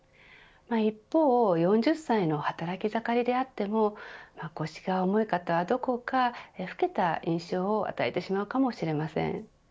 一方、４０歳の働き盛りであっても腰が重い方はどこか老けた印象を与えてしまうかもしれません。